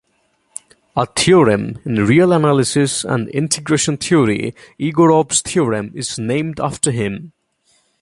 A theorem in real analysis and integration theory, Egorov's Theorem, is named after him.